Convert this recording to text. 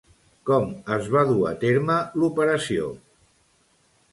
Com es va dur a terme l'operació?